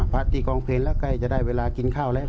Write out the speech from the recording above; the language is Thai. ที่กองเพลงแล้วใกล้จะได้เวลากินข้าวแล้ว